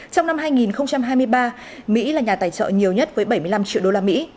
trong năm hai nghìn hai mươi ba mỹ là nhà tài trợ nhiều nhất với bảy mươi năm triệu đô la mỹ